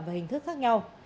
và hình thức khác nhau